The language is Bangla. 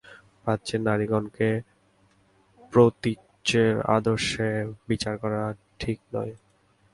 প্রাচ্যের নারীগণকে প্রতীচ্যের আদর্শে বিচার করা ঠিক নয়।